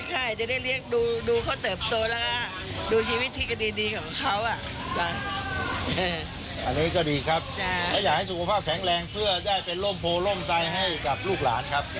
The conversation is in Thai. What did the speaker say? ก็เล่นหวยหรือเปล่า